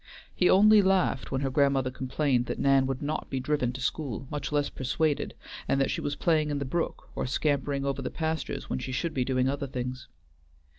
He only laughed when her grandmother complained that Nan would not be driven to school, much less persuaded, and that she was playing in the brook, or scampering over the pastures when she should be doing other things.